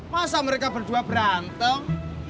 masa mereka berdua berantem